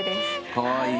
かわいい。